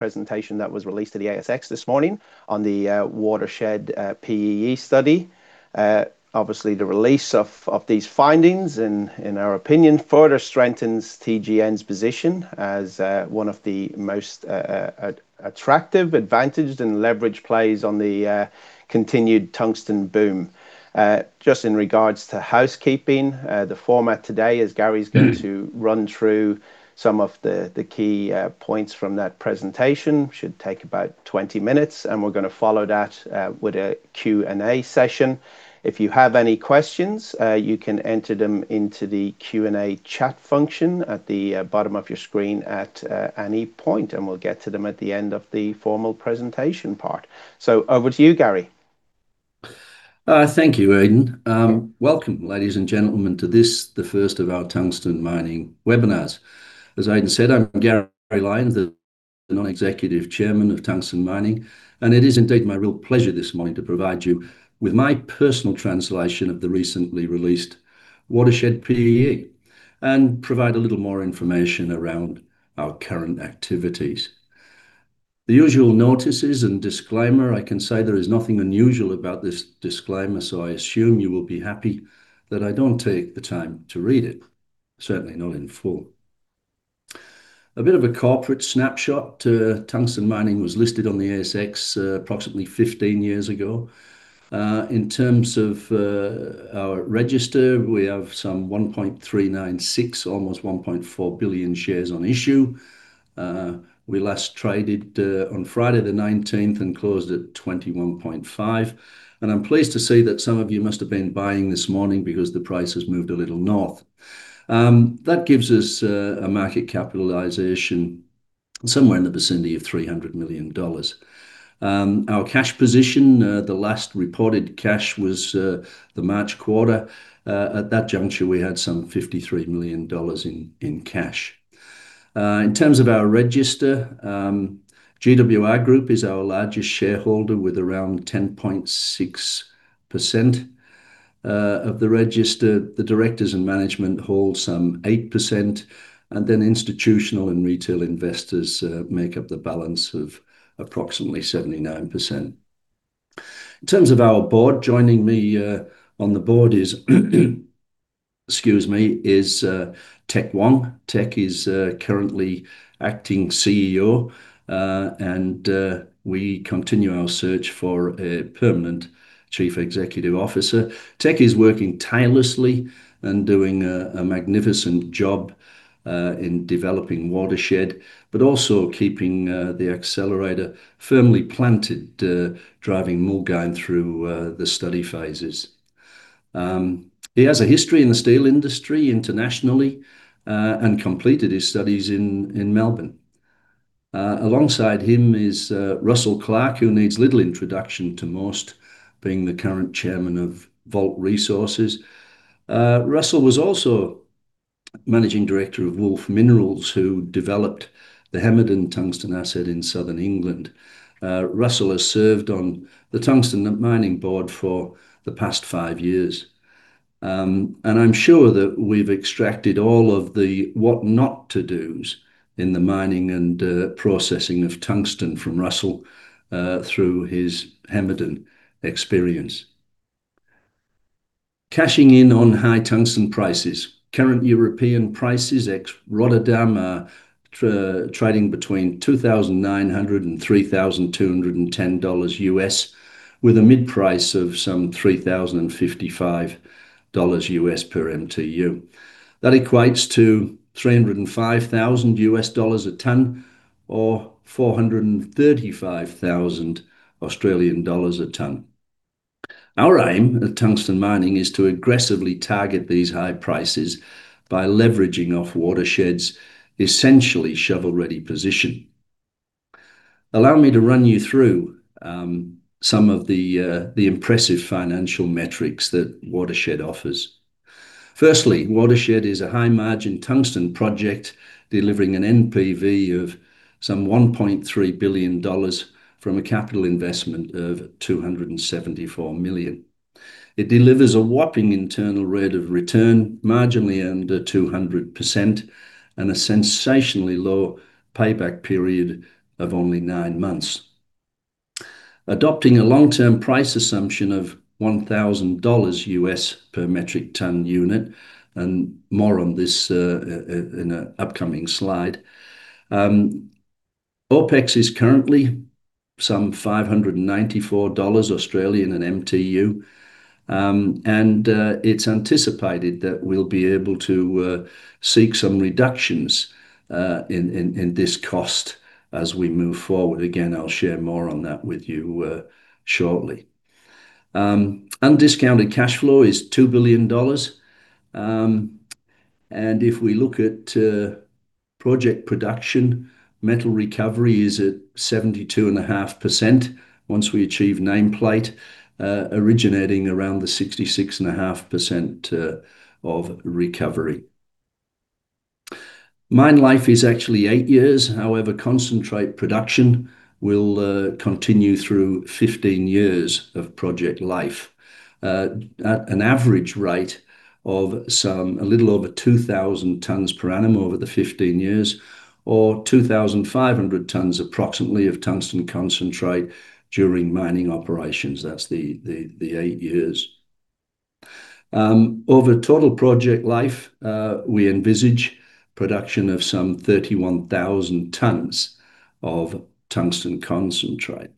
presentation that was released to the ASX this morning on the Watershed PEE study. Obviously, the release of these findings, in our opinion, further strengthens TGN's position as one of the most attractive, advantaged, and leveraged plays on the continued tungsten boom. Just in regards to housekeeping, the format today is Gary's going to run through some of the key points from that presentation. Should take about 20 minutes, and we're going to follow that with a Q&A session. If you have any questions, you can enter them into the Q&A chat function at the bottom of your screen at any point, and we'll get to them at the end of the formal presentation part. Over to you, Gary. Thank you, Aidan. Welcome, ladies and gentlemen, to this, the first of our Tungsten Mining webinars. As Aidan said, I'm Gary Lyons, the Non-Executive Chairman of Tungsten Mining, and it is indeed my real pleasure this morning to provide you with my personal translation of the recently released Watershed PEE, and provide a little more information around our current activities. The usual notices and disclaimer. I can say there is nothing unusual about this disclaimer. I assume you will be happy that I don't take the time to read it. Certainly not in full. A bit of a corporate snapshot. Tungsten Mining was listed on the ASX approximately 15 years ago. In terms of our register, we have some 1.396 billion, almost 1.4 billion shares on issue. We last traded on Friday the 19th and closed at 0.215. I'm pleased to see that some of you must have been buying this morning because the price has moved a little north. That gives us a market capitalization somewhere in the vicinity of 300 million dollars. Our cash position, the last reported cash was the March quarter. At that juncture, we had some 53 million dollars in cash. In terms of our register, GWR Group is our largest shareholder with around 10.6% of the register. The directors and management hold some 8%, and then institutional and retail investors make up the balance of approximately 79%. In terms of our board, joining me on the board is excuse me, is Teck Wong. Teck is currently Acting CEO, and we continue our search for a permanent Chief Executive Officer. Teck is working tirelessly and doing a magnificent job in developing Watershed, but also keeping the accelerator firmly planted, driving Mulgine through the study phases. He has a history in the steel industry internationally, and completed his studies in Melbourne. Alongside him is Russell Clark, who needs little introduction to most, being the current Chairman of Vault Resources. Russell was also Managing Director of Wolf Minerals, who developed the Hemerdon tungsten asset in Southern England. Russell has served on the Tungsten Mining board for the past five years. I'm sure that we've extracted all of the what-not-to-dos in the mining and processing of tungsten from Russell, through his Hemerdon experience. Cashing in on high tungsten prices. Current European prices ex Rotterdam are trading between $2,900 and $3,210, with a mid-price of some $3,055 per MTU. That equates to $305,000 a ton, or 435,000 Australian dollars a ton. Our aim at Tungsten Mining is to aggressively target these high prices by leveraging off Watershed's essentially shovel-ready position. Allow me to run you through some of the impressive financial metrics that Watershed offers. Firstly, Watershed is a high-margin tungsten project, delivering an NPV of some 1.3 billion dollars from a capital investment of 274 million. It delivers a whopping internal rate of return, marginally under 200%, and a sensationally low payback period of only nine months. Adopting a long-term price assumption of $1,000 per metric ton unit, and more on this in an upcoming slide. OpEx is currently some 594 Australian dollars an MTU. It's anticipated that we'll be able to seek some reductions in this cost as we move forward. Again, I'll share more on that with you shortly. Undiscounted cash flow is 2 billion dollars. If we look at project production, metal recovery is at 72.5% once we achieve nameplate, originating around the 66.5% of recovery. Mine life is actually eight years. However, concentrate production will continue through 15 years of project life, at an average rate of a little over 2,000 tons per annum over the 15 years, or 2,500 tons approximately of tungsten concentrate during mining operations. That's the eight years. Over total project life, we envisage production of some 31,000 tons of tungsten concentrate.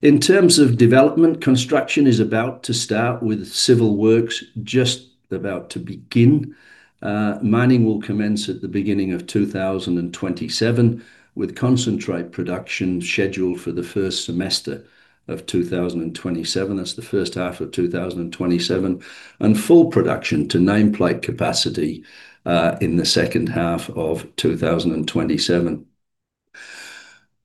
In terms of development, construction is about to start with civil works just about to begin. Mining will commence at the beginning of 2027, with concentrate production scheduled for the first semester of 2027. That's the first half of 2027. Full production to nameplate capacity in the second half of 2027.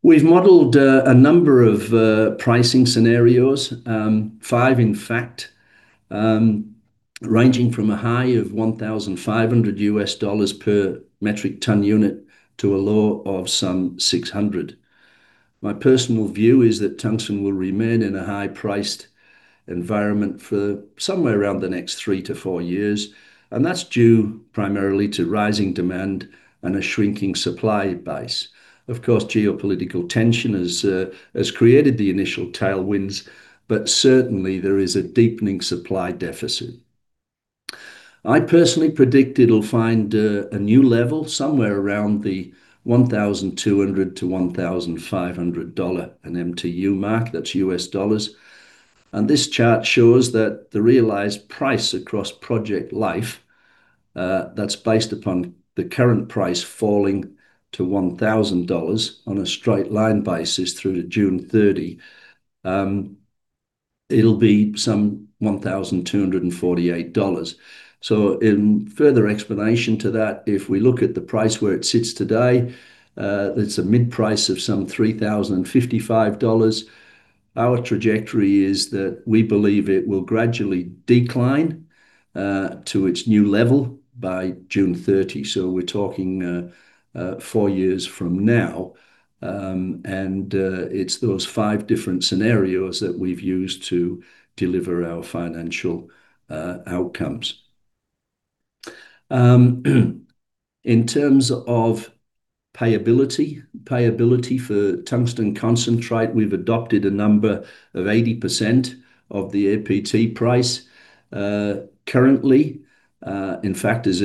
We've modeled a number of pricing scenarios. Five, in fact, ranging from a high of $1,500 per metric ton unit to a low of some $600. My personal view is that tungsten will remain in a high-priced environment for somewhere around the next three to four years, and that's due primarily to rising demand and a shrinking supply base. Of course, geopolitical tension has created the initial tailwinds, but certainly there is a deepening supply deficit. I personally predict it'll find a new level somewhere around the $1,200-$1,500 an MTU mark. That's U.S. dollars. This chart shows that the realized price across project life, that's based upon the current price falling to $1,000 on a straight-line basis through to June 30. It'll be some $1,248. In further explanation to that, if we look at the price where it sits today, it's a mid-price of some $3,055. Our trajectory is that we believe it will gradually decline to its new level by June 30. We're talking four years from now, and it's those five different scenarios that we've used to deliver our financial outcomes. In terms of payability. Payability for tungsten concentrate, we've adopted a number of 80% of the APT price. Currently, in fact as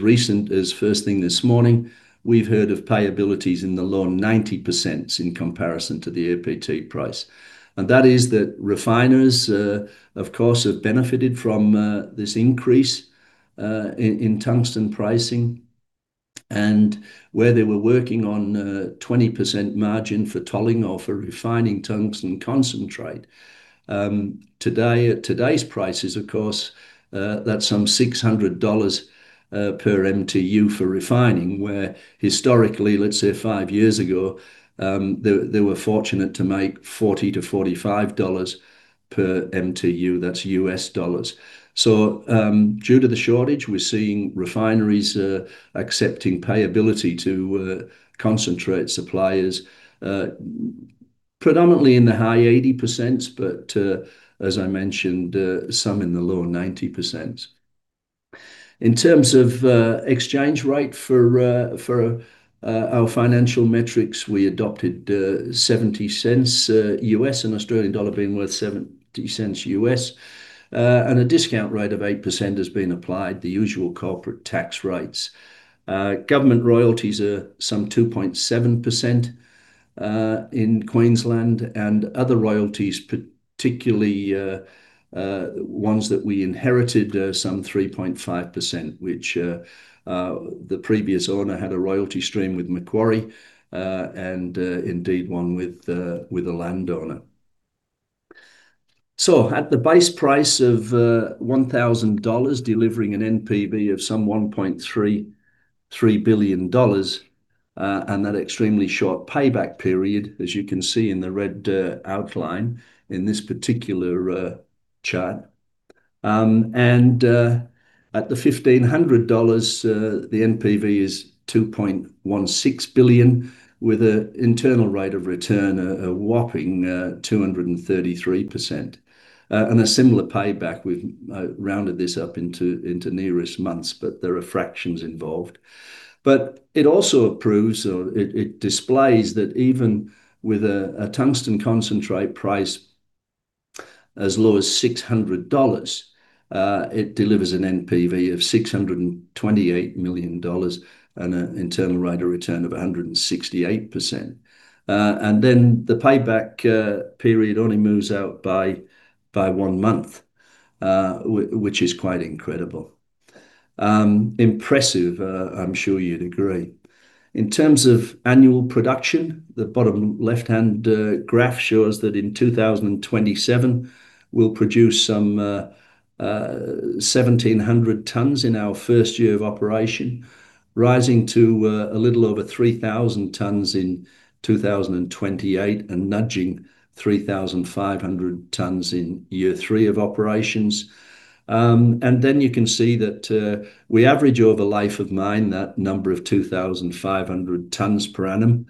recent as first thing this morning, we've heard of payabilities in the low 90% in comparison to the APT price. That is that refiners, of course, have benefited from this increase in tungsten pricing and where they were working on 20% margin for tolling or for refining tungsten concentrate. Today, at today's prices, of course, that's some $600 per MTU for refining, where historically, let's say five years ago, they were fortunate to make $40-$45 per MTU. That's U.S. dollars. Due to the shortage, we're seeing refineries accepting payability to concentrate suppliers predominantly in the high 80%, but, as I mentioned, some in the low 90%. In terms of exchange rate for our financial metrics, we adopted $0.70, an Australian dollar being worth $0.70, and a discount rate of 8% has been applied, the usual corporate tax rates. Government royalties are some 2.7% in Queensland, and other royalties, particularly ones that we inherited, some 3.5%, which the previous owner had a royalty stream with Macquarie, and indeed one with a landowner. At the base price of 1,000 dollars, delivering an NPV of some 1.33 billion dollars, and that extremely short payback period, as you can see in the red outline in this particular chart. At the 1,500 dollars, the NPV is 2.16 billion, with an internal rate of return, a whopping 233%, and a similar payback. We've rounded this up into nearest months, but there are fractions involved. It also approves, or it displays that even with a tungsten concentrate price as low as 600 dollars, it delivers an NPV of 628 million dollars and an internal rate of return of 168%. The payback period only moves out by one month, which is quite incredible. Impressive, I'm sure you'd agree. In terms of annual production, the bottom left-hand graph shows that in 2027 we'll produce some 1,700 tons in our first year of operation, rising to a little over 3,000 tons in 2028 and nudging 3,500 tons in year three of operations. You can see that we average over life of mine that number of 2,500 tons per annum.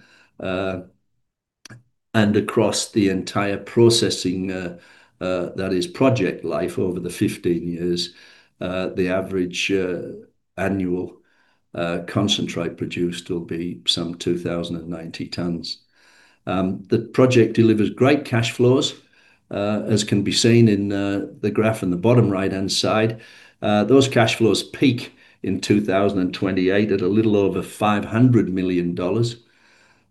Across the entire processing, that is project life over the 15 years, the average annual concentrate produced will be some 2,090 tons. The project delivers great cash flows, as can be seen in the graph in the bottom right-hand side. Those cash flows peak in 2028 at a little over 500 million dollars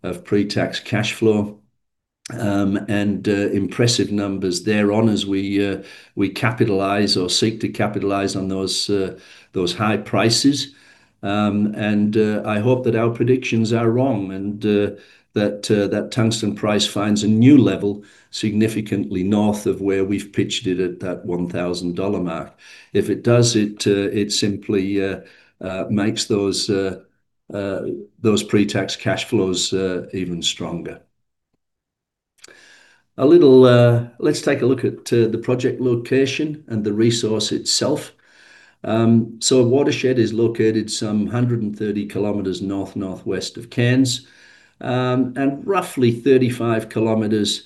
of pre-tax cash flow, and impressive numbers thereon as we capitalize or seek to capitalize on those high prices. I hope that our predictions are wrong and that tungsten price finds a new level significantly north of where we've pitched it at that 1,000 dollar mark. If it does, it simply makes those pre-tax cash flows even stronger. Let's take a look at the project location and the resource itself. Watershed is located some 130 km north-northwest of Cairns, and roughly 35 km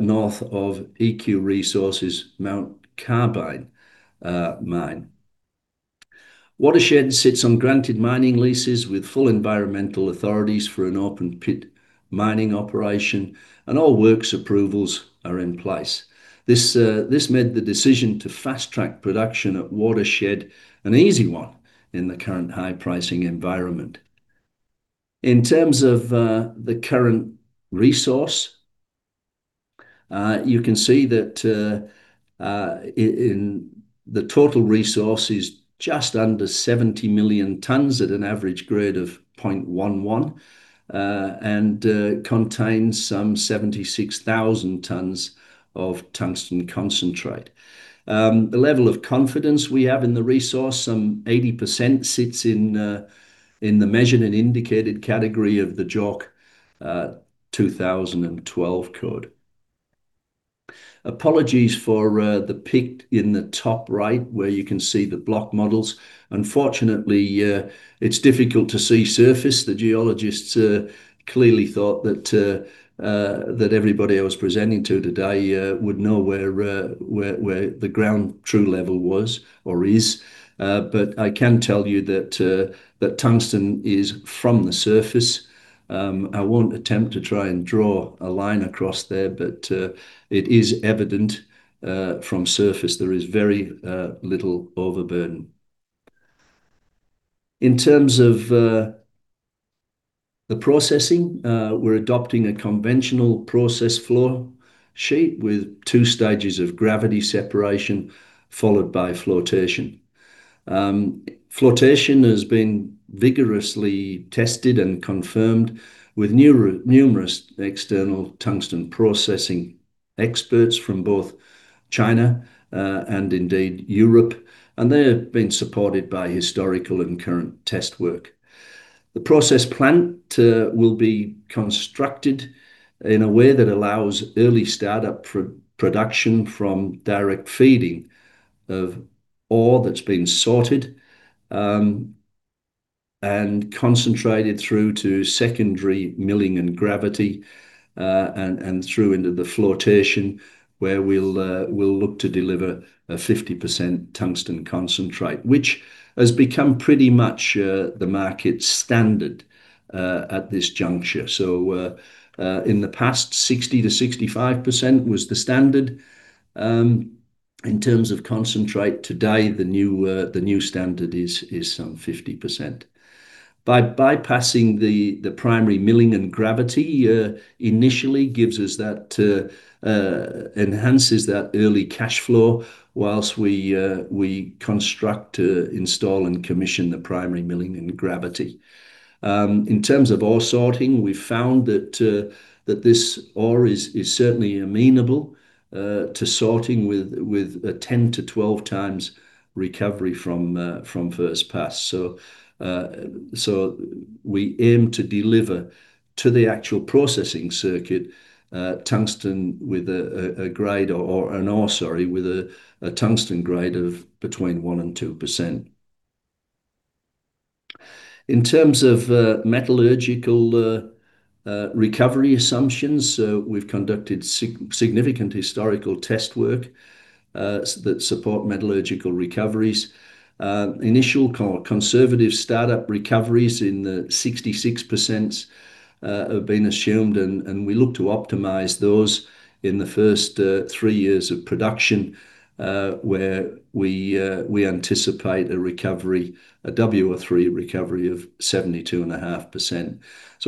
north of EQ Resources' Mount Carbine mine. Watershed sits on granted mining leases with full environmental authorities for an open pit mining operation, and all works approvals are in place. This made the decision to fast-track production at Watershed an easy one in the current high-pricing environment. In terms of the current resource, you can see that the total resource is just under 70 million tons at an average grade of 0.11, and contains some 76,000 tons of tungsten concentrate. The level of confidence we have in the resource, some 80% sits in the measured and indicated category of the JORC, 2012 Code. Apologies for the pic in the top right where you can see the block models. Unfortunately, it's difficult to see surface. The geologists clearly thought that everybody I was presenting to today would know where the ground true level was or is. But I can tell you that tungsten is from the surface. I won't attempt to try and draw a line across there. It is evident from surface there is very little overburden. In terms of the processing, we're adopting a conventional process flow sheet with two stages of gravity separation, followed by flotation. Flotation has been vigorously tested and confirmed with numerous external tungsten processing experts from both China and indeed Europe. They have been supported by historical and current test work. The process plant will be constructed in a way that allows early startup production from direct feeding of ore that's been sorted, and concentrated through to secondary milling and gravity, and through into the flotation, where we'll look to deliver a 50% tungsten concentrate, which has become pretty much the market standard at this juncture. In the past, 60%-65% was the standard. In terms of concentrate today, the new standard is some 50%. By bypassing the primary milling and gravity, initially enhances that early cash flow whilst we construct, install, and commission the primary milling and gravity. In terms of ore sorting, we've found that this ore is certainly amenable to sorting with a 10x-12x recovery from first pass. We aim to deliver to the actual processing circuit, an ore with a tungsten grade of between 1% and 2%. In terms of metallurgical recovery assumptions, we've conducted significant historical test work that support metallurgical recoveries. Initial conservative startup recoveries in the 66% have been assumed, and we look to optimize those in the first three years of production, where we anticipate a recovery, a WO3 recovery of 72.5%.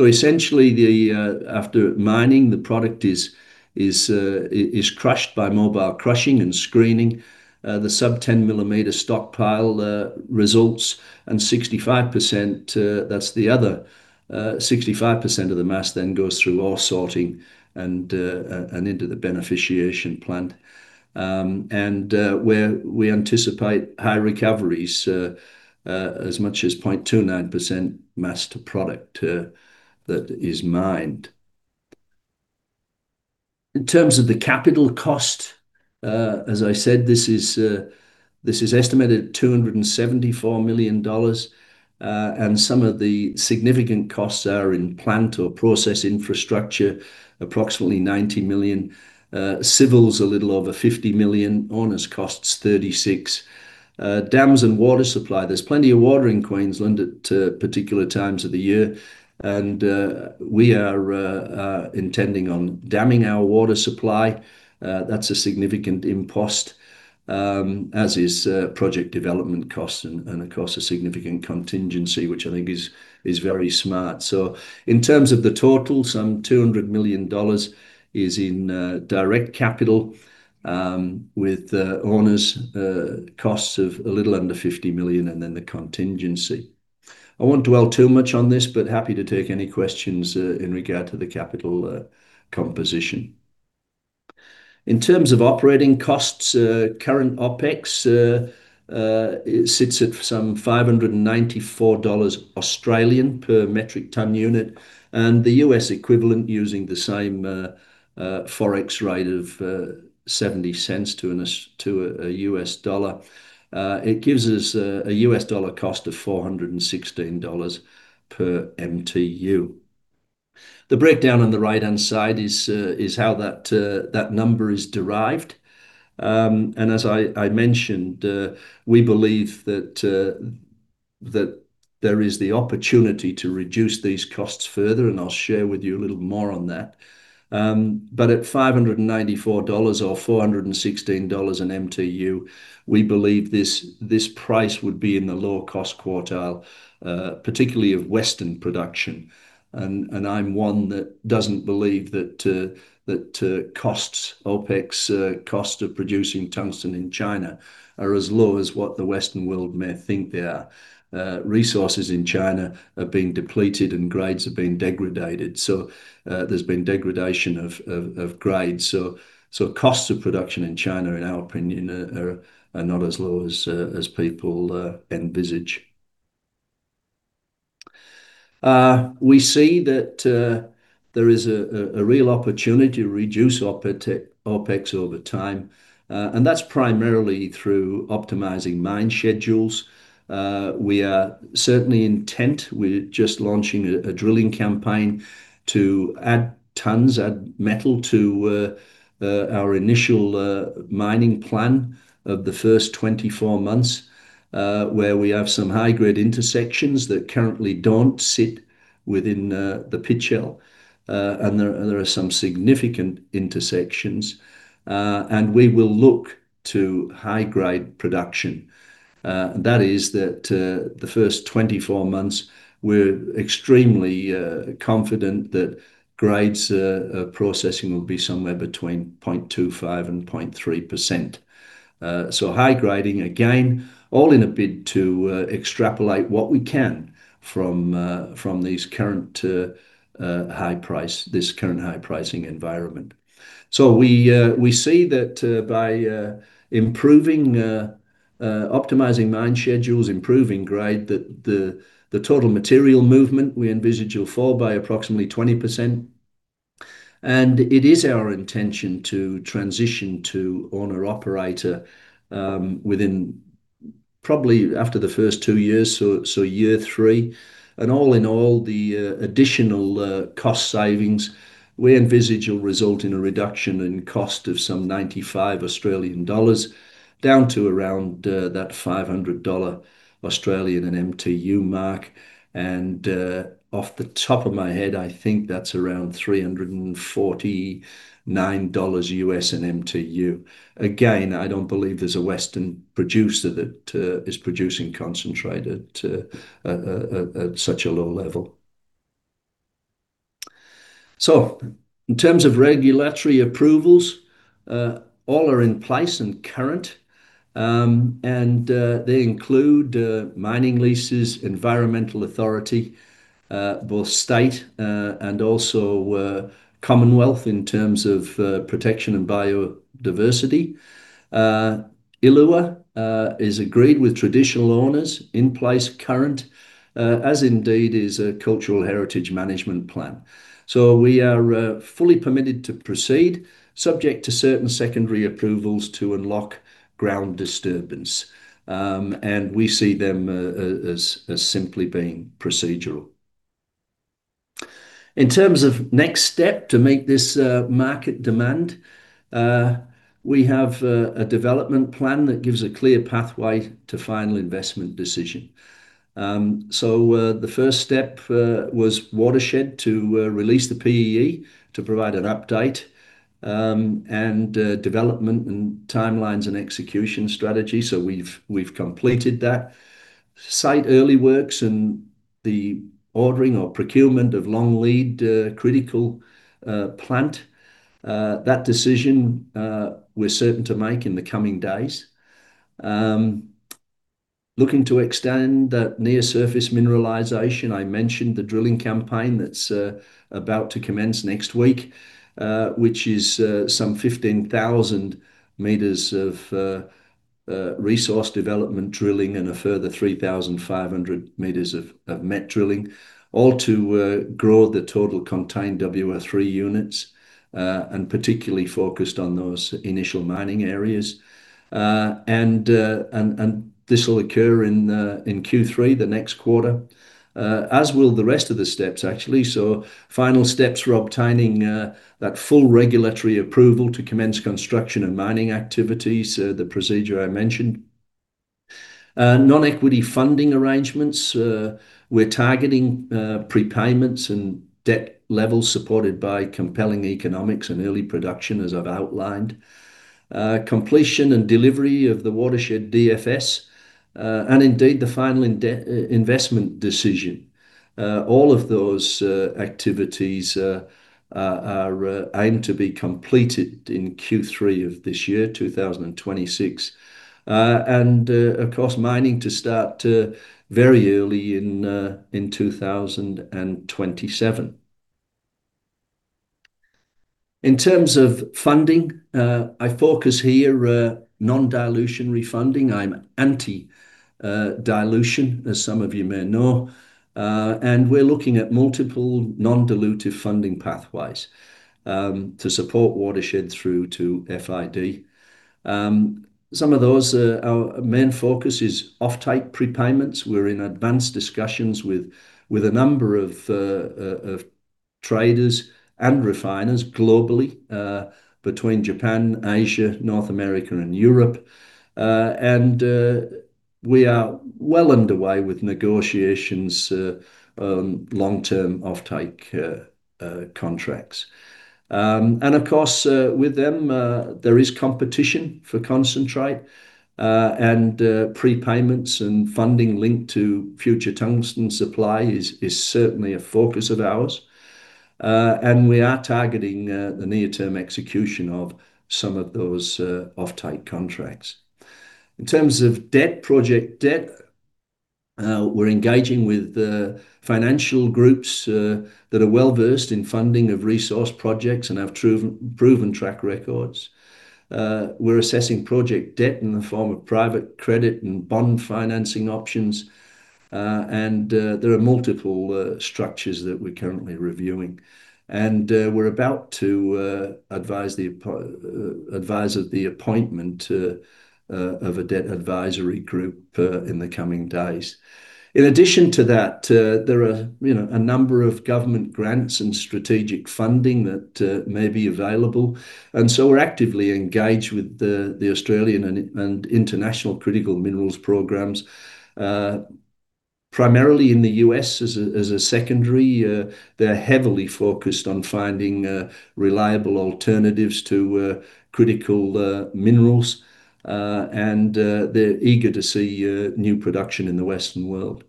Essentially, after mining, the product is crushed by mobile crushing and screening. The sub 10-mm stockpile results. 65%, that's the other 65% of the mass then goes through ore sorting and into the beneficiation plant, where we anticipate high recoveries, as much as 0.29% mass to product that is mined. In terms of the capital cost, as I said, this is estimated at 274 million dollars. Some of the significant costs are in plant or process infrastructure, approximately 90 million. Civils, a little over 50 million. Owners costs, 36 million. Dams and water supply. There's plenty of water in Queensland at particular times of the year. We are intending on damming our water supply. That's a significant impost, as is project development costs and of course, a significant contingency, which I think is very smart. In terms of the total, some 200 million dollars is in direct capital, with owners costs of a little under 50 million, and then the contingency. I won't dwell too much on this. Happy to take any questions in regard to the capital composition. In terms of operating costs, current OpEx sits at some 594 Australian dollars per metric ton unit. The U.S. equivalent using the same Forex rate of 0.70 to a U.S. dollar, it gives us a U.S. dollar cost of $416 per MTU. The breakdown on the right-hand side is how that number is derived. As I mentioned, we believe that there is the opportunity to reduce these costs further, and I'll share with you a little more on that. At 594 dollars or $416 an MTU, we believe this price would be in the low-cost quartile, particularly of Western production. I'm one that doesn't believe that costs, OpEx cost of producing tungsten in China are as low as what the Western world may think they are. Resources in China are being depleted, and grades are being degradated. There's been degradation of grades. Costs of production in China, in our opinion, are not as low as people envisage. We see that there is a real opportunity to reduce OpEx over time, and that's primarily through optimizing mine schedules. We are certainly intent. We're just launching a drilling campaign to add tons, add metal to our initial mining plan of the first 24 months, where we have some high-grade intersections that currently don't sit within the pit shell. There are some significant intersections. We will look to high-grade production. That is that the first 24 months, we're extremely confident that grades, processing will be somewhere between 0.25%-0.3%. High grading, again, all in a bid to extrapolate what we can from this current high pricing environment. We see that by improving, optimizing mine schedules, improving grade that the total material movement we envisage will fall by approximately 20%. It is our intention to transition to owner/operator within probably after the first two years, so year three. All in all, the additional cost savings we envisage will result in a reduction in cost of some 95 Australian dollars down to around that 500 Australian dollars an MTU mark. Off the top of my head, I think that's around $349 an MTU. Again, I don't believe there's a Western producer that is producing concentrate at such a low level. In terms of regulatory approvals, all are in place and current. They include mining leases, environmental authority, both state, and also commonwealth in terms of protection and biodiversity. ILUA is agreed with traditional owners in place current, as indeed is a cultural heritage management plan. We are fully permitted to proceed, subject to certain secondary approvals to unlock ground disturbance. We see them as simply being procedural. In terms of next step to meet this market demand, we have a development plan that gives a clear pathway to final investment decision. The first step was Watershed to release the PEE to provide an update, and development and timelines and execution strategy. We've completed that. Site early works and the ordering or procurement of long-lead, critical plant. That decision we're certain to make in the coming days. Looking to extend that near-surface mineralization. I mentioned the drilling campaign that's about to commence next week, which is some 15,000 m of resource development drilling and a further 3,500 meters of met drilling, all to grow the total contained WO3 units, and particularly focused on those initial mining areas. This will occur in Q3, the next quarter, as will the rest of the steps, actually. Final steps for obtaining that full regulatory approval to commence construction and mining activities, the procedure I mentioned. Non-equity funding arrangements. We're targeting prepayments and debt levels supported by compelling economics and early production, as I've outlined. Completion and delivery of the Watershed DFS, and indeed, the final investment decision. All of those activities aim to be completed in Q3 of this year, 2026. Of course, mining to start very early in 2027. In terms of funding, I focus here non-dilutionary funding. I'm anti-dilution, as some of you may know. We're looking at multiple non-dilutive funding pathways to support Watershed through to FID. Some of those, our main focus is offtake prepayments. We're in advanced discussions with a number of traders and refiners globally between Japan, Asia, North America, and Europe. We are well underway with negotiations on long-term offtake contracts. Of course, with them there is competition for concentrate, and prepayments and funding linked to future tungsten supply is certainly a focus of ours. We are targeting the near-term execution of some of those offtake contracts. In terms of debt, project debt, we're engaging with financial groups that are well-versed in funding of resource projects and have proven track records. We're assessing project debt in the form of private credit and bond financing options. There are multiple structures that we're currently reviewing. We're about to advise of the appointment of a debt advisory group in the coming days. In addition to that, there are a number of government grants and strategic funding that may be available. We're actively engaged with the Australian and International Critical Minerals programs, primarily in the U.S. as a secondary. They're heavily focused on finding reliable alternatives to critical minerals. They're eager to see new production in the Western world.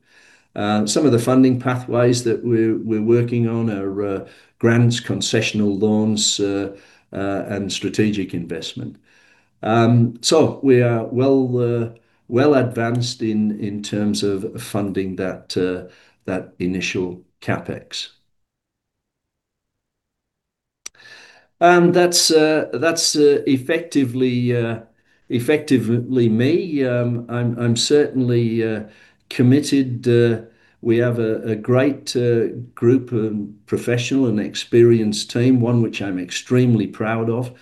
Some of the funding pathways that we're working on are grants, concessional loans, and strategic investment. We are well advanced in terms of funding that initial CapEx. That's effectively me. I'm certainly committed. We have a great group of professional and experienced team, one which I'm extremely proud of.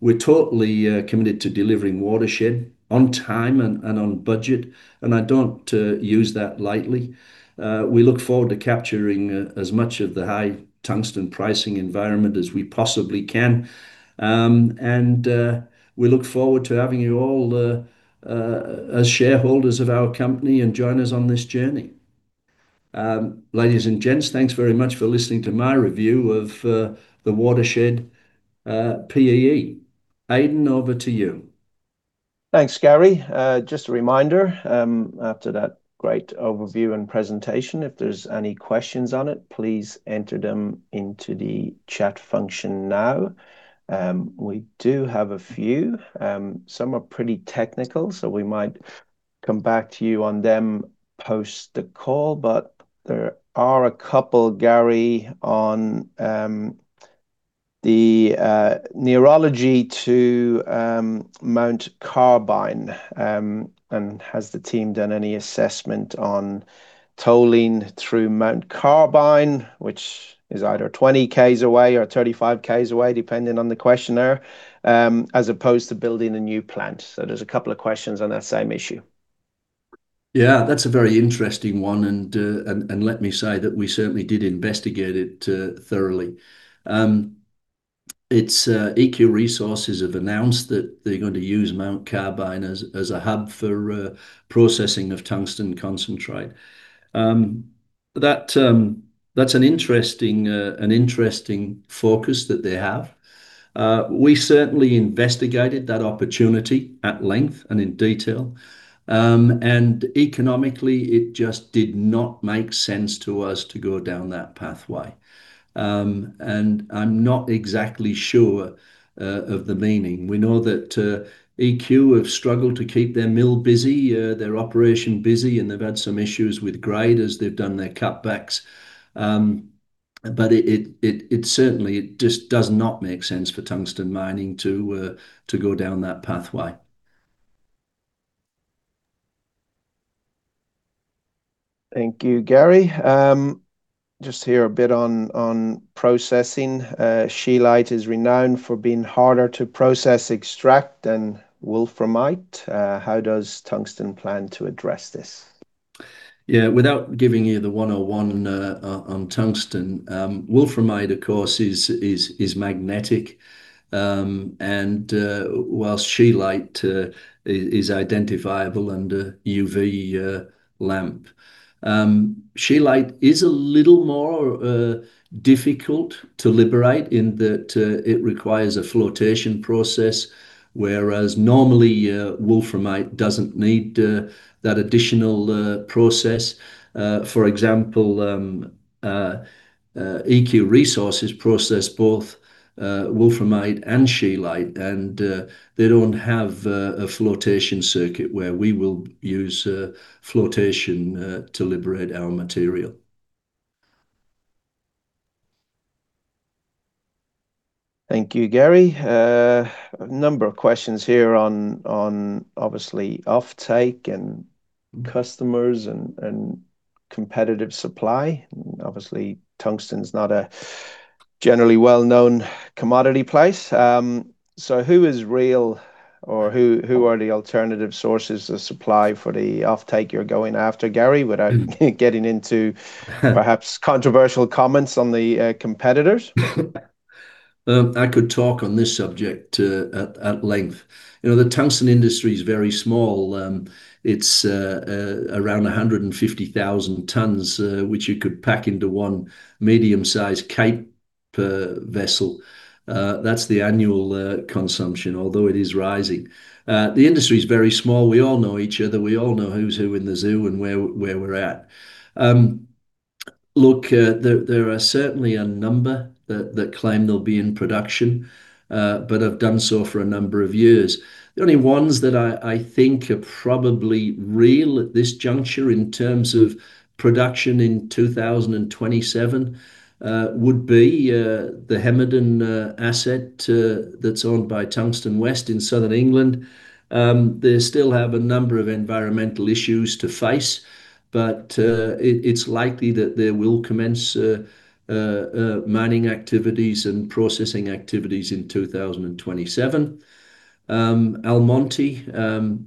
We're totally committed to delivering Watershed on time and on budget, and I don't use that lightly. We look forward to capturing as much of the high tungsten pricing environment as we possibly can. We look forward to having you all as shareholders of our company and join us on this journey. Ladies and gents, thanks very much for listening to my review of the Watershed PEE. Aidan, over to you. Thanks, Gary. Just a reminder, after that great overview and presentation, if there's any questions on it, please enter them into the chat function now. We do have a few. Some are pretty technical, so we might come back to you on them post the call. There are a couple, Gary, on the nearology to Mount Carbine, and has the team done any assessment on tolling through Mount Carbine, which is either 20 km away or 35 km away, depending on the questioner, as opposed to building a new plant. There's a couple of questions on that same issue. That's a very interesting one. Let me say that we certainly did investigate it thoroughly. EQ Resources have announced that they're going to use Mount Carbine as a hub for processing of tungsten concentrate. That's an interesting focus that they have. We certainly investigated that opportunity at length and in detail. Economically, it just did not make sense to us to go down that pathway. I'm not exactly sure of the meaning. We know that EQ have struggled to keep their mill busy, their operation busy, and they've had some issues with grade as they've done their cutbacks. It certainly just does not make sense for Tungsten Mining to go down that pathway. Thank you, Gary. Just here a bit on processing. Scheelite is renowned for being harder to process extract than wolframite. How does Tungsten plan to address this? Without giving you the 101 on tungsten, wolframite, of course, is magnetic, whilst scheelite is identifiable under UV lamp. Scheelite is a little more difficult to liberate in that it requires a flotation process, whereas normally wolframite doesn't need that additional process. For example, EQ Resources process both wolframite and scheelite, they don't have a flotation circuit where we will use flotation to liberate our material. Thank you, Gary. A number of questions here on obviously offtake and customers and competitive supply. Obviously, tungsten is not a generally well-known commodity place. Who is real or who are the alternative sources of supply for the offtake you're going after, Gary, without getting into perhaps controversial comments on the competitors? I could talk on this subject at length. The tungsten industry is very small. It's around 150,000 tons, which you could pack into one medium-sized Capesize vessel. That's the annual consumption, although it is rising. The industry is very small. We all know each other. We all know who's who in the zoo and where we're at. Look, there are certainly a number that claim they'll be in production, but have done so for a number of years. The only ones that I think are probably real at this juncture in terms of production in 2027, would be the Hemerdon asset that's owned by Tungsten West in Southern England. They still have a number of environmental issues to face, but it's likely that they will commence mining activities and processing activities in 2027. Almonty,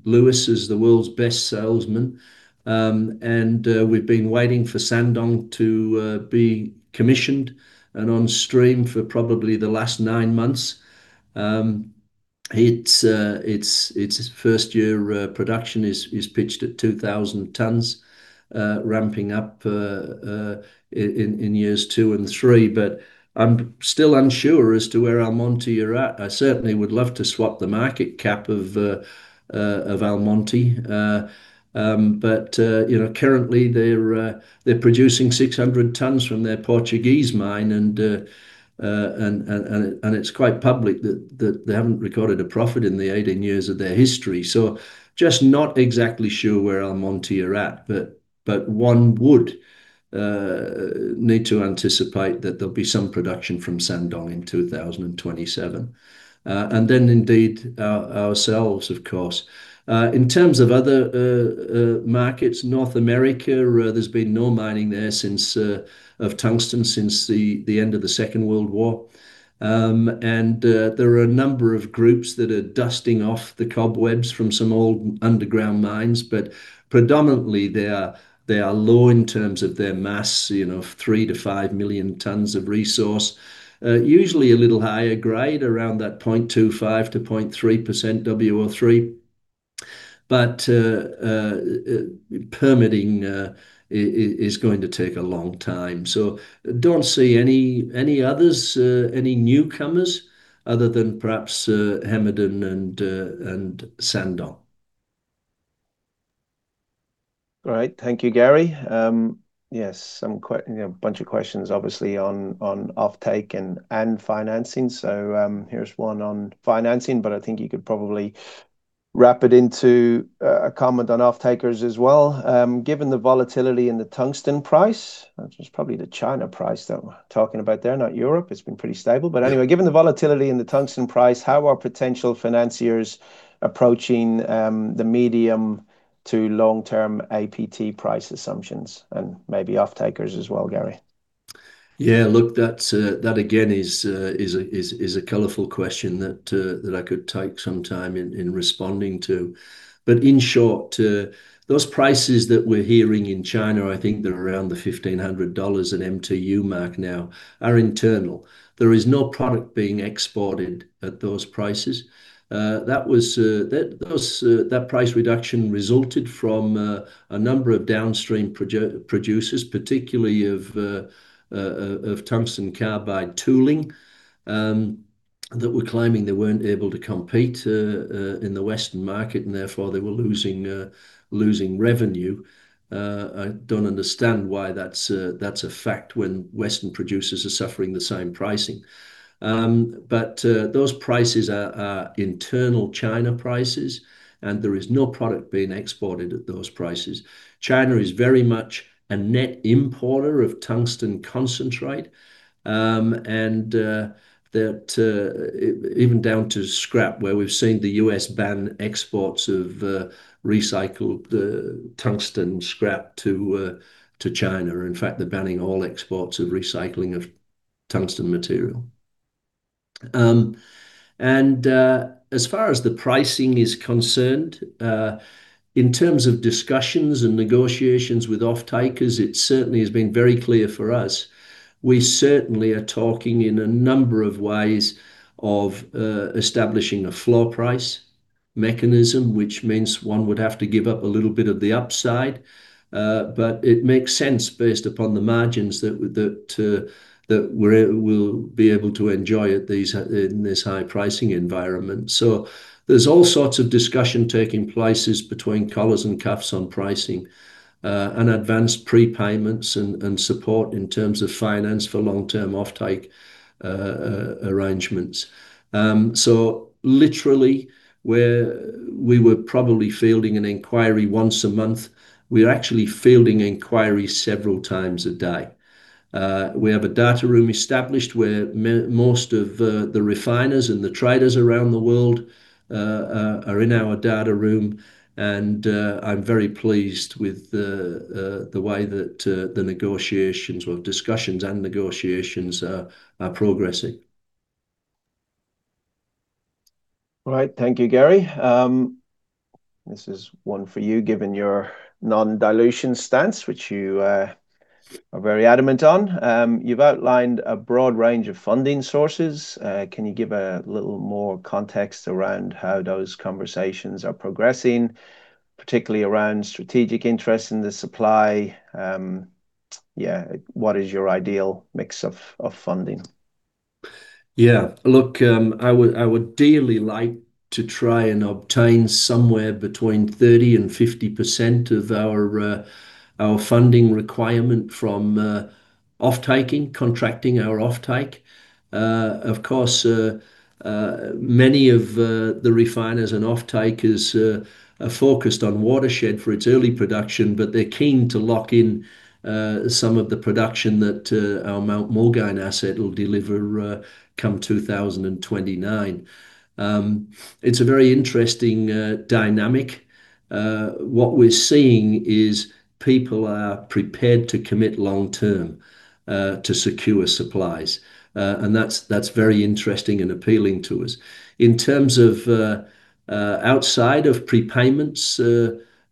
Lewis is the world's best salesman, we've been waiting for Sangdong to be commissioned and on stream for probably the last nine months. Its first-year production is pitched at 2,000 tons, ramping up in years two and three, I'm still unsure as to where Almonty are at. I certainly would love to swap the market cap of Almonty. Currently they're producing 600 tons from their Portuguese mine, and it's quite public that they haven't recorded a profit in the 18 years of their history. Just not exactly sure where Almonty are at, but one would need to anticipate that there'll be some production from Sangdong in 2027. Indeed, ourselves, of course. In terms of other markets, North America, there's been no mining there since, of tungsten, since the end of the Second World War. There are a number of groups that are dusting off the cobwebs from some old underground mines, predominantly they are low in terms of their mass, 3 million tons-5 million tons of resource. Usually a little higher grade around that 0.25%-0.3% WO3. Permitting is going to take a long time. Don't see any others, any newcomers other than perhaps Hemerdon and Sangdong. Great. Thank you, Gary. Yes, a bunch of questions obviously on offtake and financing. Here's one on financing, I think you could probably wrap it into a comment on offtakers as well. Given the volatility in the tungsten price, which is probably the China price that we're talking about there, not Europe, it's been pretty stable. Anyway, given the volatility in the tungsten price, how are potential financiers approaching the medium to long-term APT price assumptions and maybe offtakers as well, Gary? Yeah, look, that again is a colorful question that I could take some time in responding to. In short, those prices that we're hearing in China, I think they're around the 1,500 dollars an MTU mark now, are internal. There is no product being exported at those prices. That price reduction resulted from a number of downstream producers, particularly of tungsten carbide tooling, that were claiming they weren't able to compete in the Western market, and therefore they were losing revenue. I don't understand why that's a fact when Western producers are suffering the same pricing. Those prices are internal China prices, and there is no product being exported at those prices. China is very much a net importer of tungsten concentrate, and that even down to scrap, where we've seen the U.S. ban exports of recycled tungsten scrap to China. In fact, they're banning all exports of recycling of tungsten material. As far as the pricing is concerned, in terms of discussions and negotiations with off-takers, it certainly has been very clear for us. We certainly are talking in a number of ways of establishing a floor price mechanism, which means one would have to give up a little bit of the upside. It makes sense based upon the margins that we'll be able to enjoy in this high pricing environment. There's all sorts of discussion taking places between collars and cuffs on pricing, and advanced prepayments and support in terms of finance for long-term off-take arrangements. Literally, where we were probably fielding an inquiry once a month, we are actually fielding inquiries several times a day. We have a data room established where most of the refiners and the traders around the world are in our data room, and I'm very pleased with the way that the negotiations or discussions and negotiations are progressing. All right. Thank you, Gary. This is one for you, given your non-dilution stance, which you are very adamant on. You've outlined a broad range of funding sources. Can you give a little more context around how those conversations are progressing, particularly around strategic interest in the supply? What is your ideal mix of funding? Yeah. Look, I would dearly like to try and obtain somewhere between 30% and 50% of our funding requirement from off-taking, contracting our off-take. Of course, many of the refiners and off-takers are focused on Watershed for its early production, but they're keen to lock in some of the production that our Mount Mulgine asset will deliver come 2029. It's a very interesting dynamic. What we're seeing is people are prepared to commit long-term to secure supplies, and that's very interesting and appealing to us. In terms of outside of prepayments,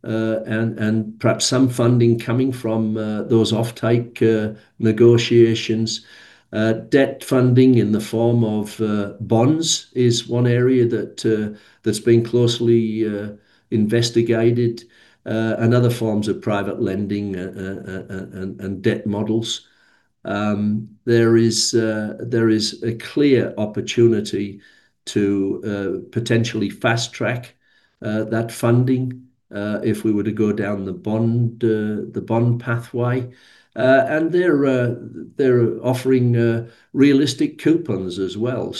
and perhaps some funding coming from those off-take negotiations, debt funding in the form of bonds is one area that's been closely investigated and other forms of private lending and debt models. There is a clear opportunity to potentially fast-track that funding, if we were to go down the bond pathway, and they're offering realistic coupons as well.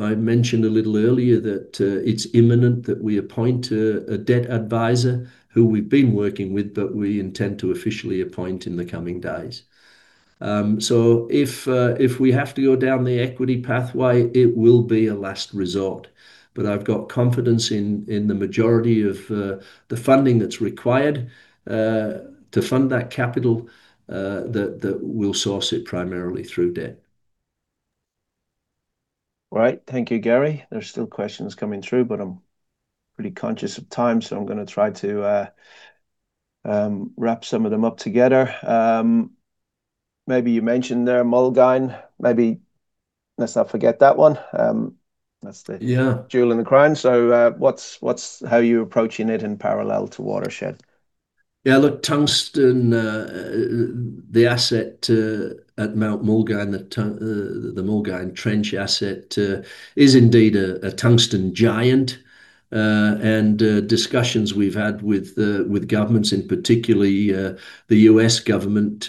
I mentioned a little earlier that it's imminent that we appoint a debt advisor who we've been working with, but we intend to officially appoint in the coming days. If we have to go down the equity pathway, it will be a last resort, but I've got confidence in the majority of the funding that's required to fund that capital that we'll source it primarily through debt. Right. Thank you, Gary. There's still questions coming through, but I'm pretty conscious of time, so I'm going to try to wrap some of them up together. Maybe you mentioned there Mulgine. Maybe let's not forget that one. That's the- Yeah. jewel in the crown. How are you approaching it in parallel to Watershed? Yeah, look, Tungsten, the asset at Mount Mulgine, the Mulgine Trench asset, is indeed a tungsten giant. Discussions we've had with governments and particularly the U.S. government,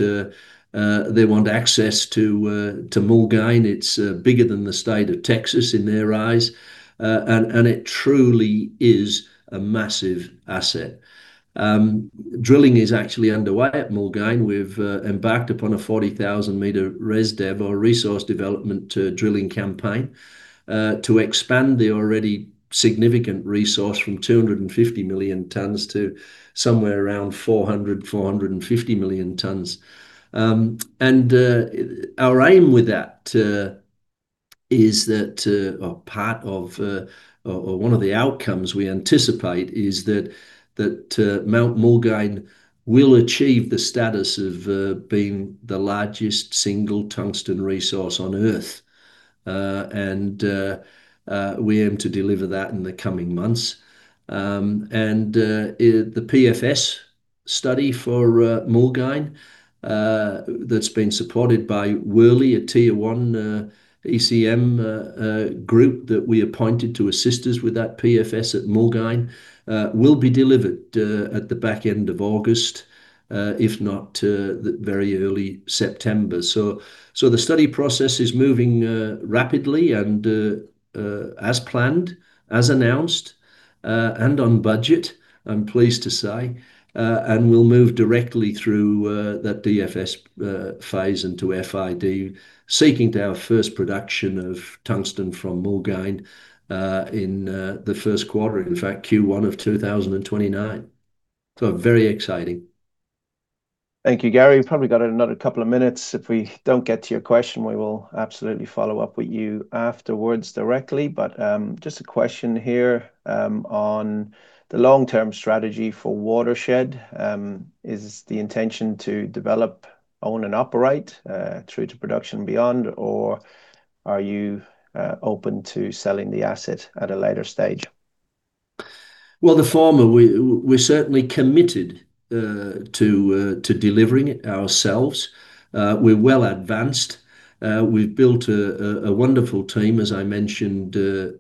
they want access to Mulgine. It's bigger than the state of Texas in their eyes, and it truly is a massive asset. Drilling is actually underway at Mulgine. We've embarked upon a 40,000 m resource development drilling campaign, to expand the already significant resource from 250 million tonnes to somewhere around 400 million tonnes-450 million tonnes. Our aim with that is that one of the outcomes we anticipate is that Mount Mulgine will achieve the status of being the largest single tungsten resource on Earth. We aim to deliver that in the coming months. The PFS study for Mulgine that's been supported by Worley, a Tier 1 ECM group that we appointed to assist us with that PFS at Mulgine, will be delivered at the back end of August if not very early September. The study process is moving rapidly and as planned, as announced, and on budget, I'm pleased to say. We'll move directly through that DFS phase into FID, seeking our first production of tungsten from Mulgine in the first quarter, in fact, Q1 of 2029. Very exciting. Thank you, Gary. We've probably got another couple of minutes. If we don't get to your question, we will absolutely follow up with you afterwards directly. Just a question here on the long-term strategy for Watershed. Is the intention to develop, own, and operate through to production beyond, or are you open to selling the asset at a later stage? Well, the former. We're certainly committed to delivering it ourselves. We're well advanced. We've built a wonderful team, as I mentioned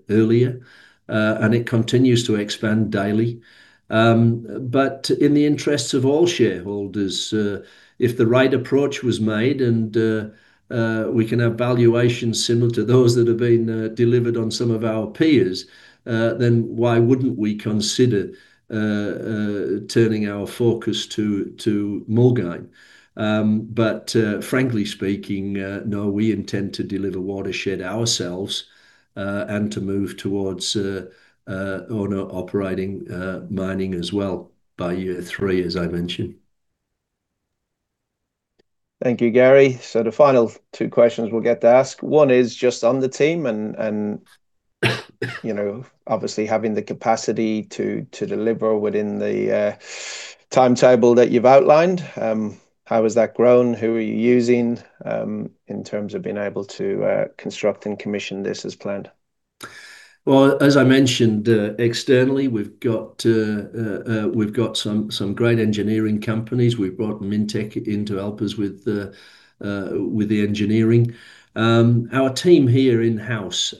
earlier, and it continues to expand daily. In the interests of all shareholders, if the right approach was made, and we can have valuations similar to those that have been delivered on some of our peers, then why wouldn't we consider turning our focus to Mulgine? Frankly speaking, no, we intend to deliver Watershed ourselves, and to move towards owner operating mining as well by year three, as I mentioned. Thank you, Gary. The final two questions we'll get to ask. One is just on the team and obviously having the capacity to deliver within the timetable that you've outlined. How has that grown? Who are you using, in terms of being able to construct and commission this as planned? As I mentioned, externally we've got some great engineering companies. We've brought Mintek in to help us with the engineering. Our team here in-house,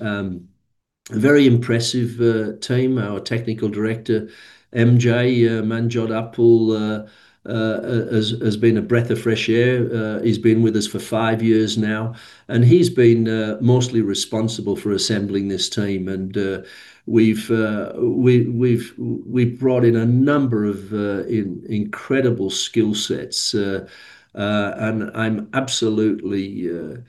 very impressive team. Our technical director, MJ, [Manjot Uppal], has been a breath of fresh air. He's been with us for five years now, and he's been mostly responsible for assembling this team. We've brought in a number of incredible skill sets. I'm absolutely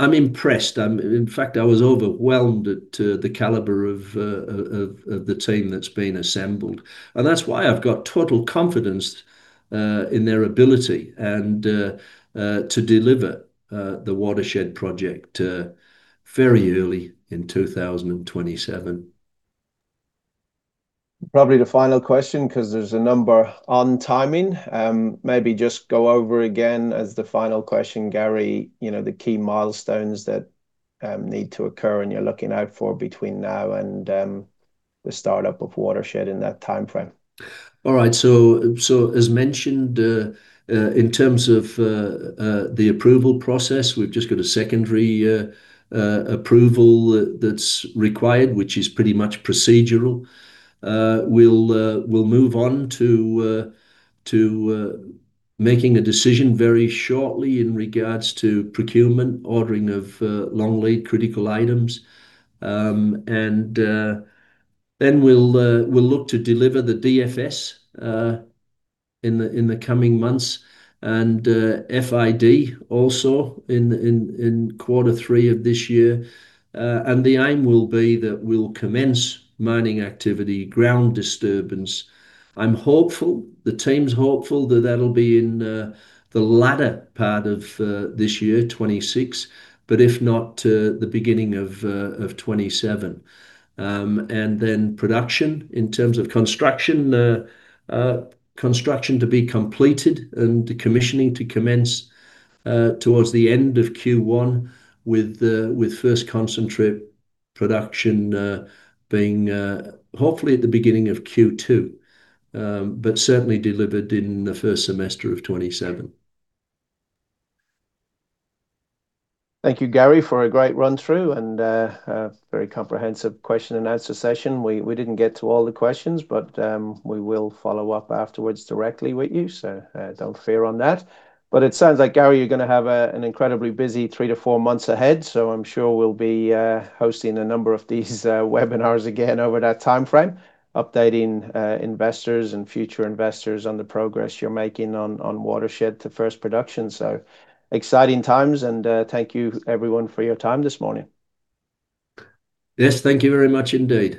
impressed. In fact, I was overwhelmed at the caliber of the team that's been assembled, and that's why I've got total confidence in their ability and to deliver the Watershed project very early in 2027. Probably the final question, because there's a number on timing. Maybe just go over again as the final question, Gary, the key milestones that need to occur and you're looking out for between now and the startup of Watershed in that timeframe. As mentioned, in terms of the approval process, we've just got a secondary approval that's required, which is pretty much procedural. We'll move on to making a decision very shortly in regards to procurement, ordering of long lead critical items. We'll look to deliver the DFS in the coming months and FID also in quarter three of this year. The aim will be that we'll commence mining activity, ground disturbance. I'm hopeful, the team's hopeful that that'll be in the latter part of this year, 2026, but if not, the beginning of 2027. Production in terms of construction to be completed and decommissioning to commence towards the end of Q1 with first concentrate production being hopefully at the beginning of Q2, but certainly delivered in the first semester of 2027. Thank you, Gary, for a great run-through and a very comprehensive question and answer session. We didn't get to all the questions, but we will follow up afterwards directly with you, so don't fear on that. It sounds like, Gary, you're going to have an incredibly busy three to four months ahead, so I'm sure we'll be hosting a number of these webinars again over that timeframe, updating investors and future investors on the progress you're making on Watershed to first production. Exciting times and thank you everyone for your time this morning. Yes, thank you very much indeed.